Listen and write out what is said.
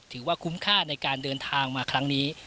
ถือว่าคุ้มค่าในการเดินทางมาครั้งนี้